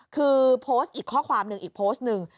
คือโพสต์อีกข้อความหนึ่งอีกโพสต์หนึ่ง